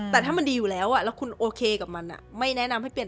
แต่ถ้ามันดีอยู่แล้วแล้วคุณโอเคกับมันไม่แนะนำให้เปลี่ยน